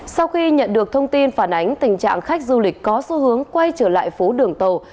sau khi nhận được thông tin phản ánh tình trạng khách du lịch có xu hướng quay trở lại phố đường tàu